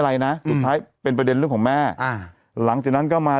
อะไรนะสุดท้ายเป็นประเด็นเรื่องของแม่อ่าหลังจากนั้นก็มา